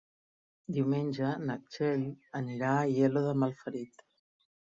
Diumenge na Txell anirà a Aielo de Malferit.